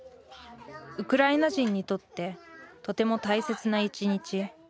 ウクライナ人にとってとても大切な一日。